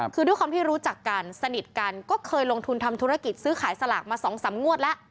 คือด้วยความที่รู้จักกันสนิทกันก็เคยลงทุนทำธุรกิจซื้อขายสลากมา๒๓งวดแล้ว